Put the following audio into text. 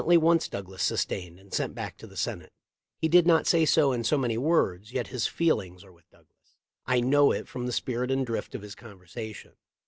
395 wants Douglas sustained and sent back to the Senate He did not say so in so many words, yet his feelings are with Douglas. I know it from the spirit and drift of his conversation.